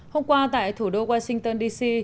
hôm qua tại thủ đô washington dc